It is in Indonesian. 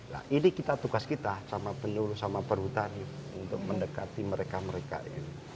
nah ini kita tugas kita sama peluru sama perhutani untuk mendekati mereka mereka ini